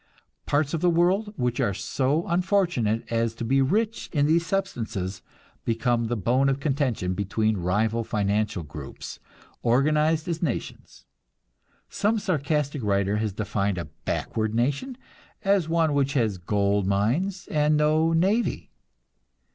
Parts of the world which are so unfortunate as to be rich in these substances become the bone of contention between rival financial groups, organized as nations. Some sarcastic writer has defined a "backward" nation as one which has gold mines and no navy.